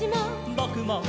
「ぼくも」